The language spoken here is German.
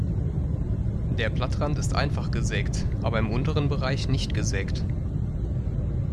Der Blattrand ist einfach gesägt, aber im unteren Bereich nicht gesägt.